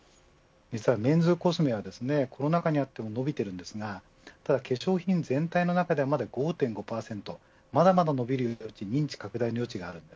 メンズコスメはコロナ禍にあっても伸びていますが化粧品全体の中でまだ５．５％と、まだまだ認知拡大の余地があります。